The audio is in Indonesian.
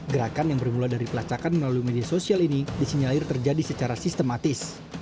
gerakan yang bermula dari pelacakan melalui media sosial ini disinyalir terjadi secara sistematis